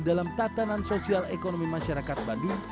dalam tatanan sosial ekonomi masyarakat bandung